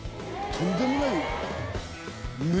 とんでもない。